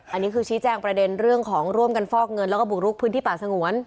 อันนี้คือชี้แจงประเด็นเรื่องของร่วมกันฟอกเงินแล้วก็บุกลุกพื้นที่ป่าสงวน